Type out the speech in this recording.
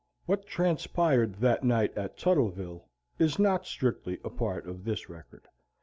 What transpired that night at Tuttleville is not strictly a part of this record.